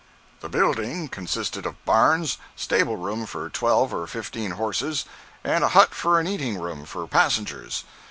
The building consisted of barns, stable room for twelve or fifteen horses, and a hut for an eating room for passengers.